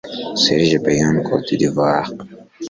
Serge Beynaud (Cote d’Ivoire)